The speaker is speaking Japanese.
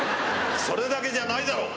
それだけじゃないだろう。